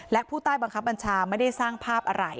และผู้ใต้บังคับบัญชาไม่ได้สร้างภาพอะไร